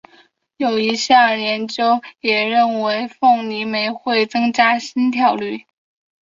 有一项研究也认为凤梨酶会增加心跳率。